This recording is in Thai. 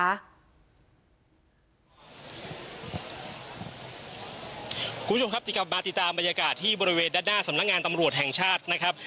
คุณผู้ชมครับจะกลับมาติดตามบรรยากาศที่บริเวณด้านหน้าสำนักงานตำรวจแห่งชาตินะครับ